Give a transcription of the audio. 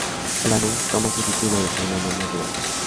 El álbum toma su título de segundo nombre de Jackson.